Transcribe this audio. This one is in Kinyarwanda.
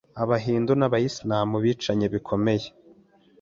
abahindu n’abayislam bicanye bikomeye.